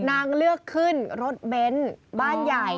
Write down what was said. เลือกขึ้นรถเบ้นบ้านใหญ่